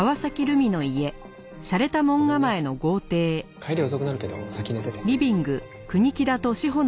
帰りは遅くなるけど先寝てて。